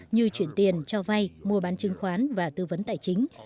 như chuyển tiền cho vay mua bán chứng khoán và tư vấn tài chính